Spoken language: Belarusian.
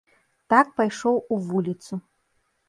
Так пайшоў у вуліцу.